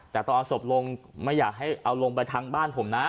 แต่ตอนเอาศพลงไม่อยากให้เอาลงไปทางบ้านผมนะ